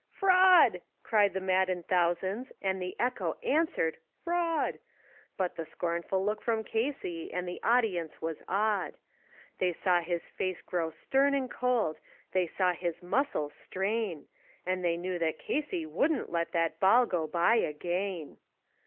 "Fraud!" cried the maddened thousands, and the echo answered, "Fraud!" But the scornful look from Casey, and the audience was awed; They saw his face grow stern and cold, they saw his muscles strain, And they knew that Casey wouldn't let that ball go by again.